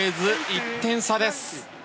１点差です。